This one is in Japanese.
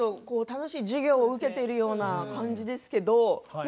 楽しい授業を受けているような感じですけれども。